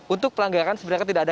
untuk pelanggaran sebenarnya tidak ada